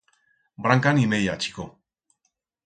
Branca ni meya, chico.